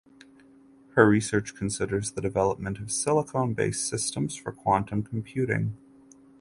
Her research considers the development of silicon based systems for quantum computing.